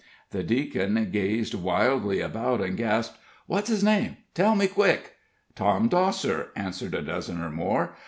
The deacon gazed wildly about, and gasped: "What's his name? tell me quick!" "Tom Dosser!" answered a dozen or more.